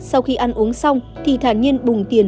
sau khi ăn uống xong thì thả nhiên bùng tiền